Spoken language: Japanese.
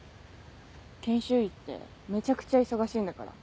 研修医ってめちゃくちゃ忙しいんだから。